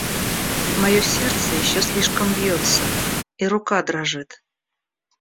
Мое сердце еще слишком бьется, и рука дрожит.